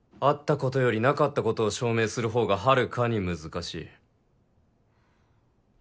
ことより「なかった」ことを証明する方が遥かに難しい。